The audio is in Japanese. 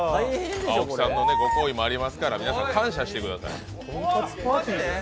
檍さんのご好意もありますから皆さん感謝してください。